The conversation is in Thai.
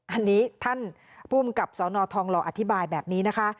อันนี้ท่านภูมิกับสนทองหล่ออธิบายแบบนี้นะคะ